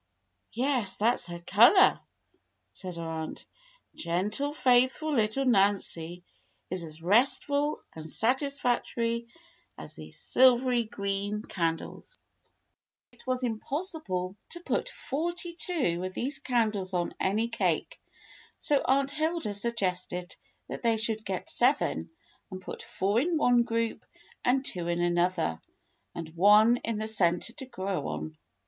"Yes, that's her color," said her aunt; "gentle, faithful little Nancy is as restful and satisfactory as these silvery green candles." 96 THE BLUE AUNT It was impossible to put forty two of these candles on any cake, so Aunt Hilda suggested they should get seven, and put four in one group and two in another, and one in the center to grow on.